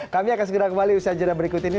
kami akan segera kembali usaha jadwal berikut ini